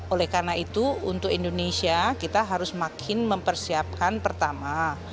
oleh karena itu untuk indonesia kita harus makin mempersiapkan pertama